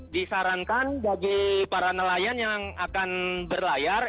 disarankan bagi para nelayan yang akan berlayar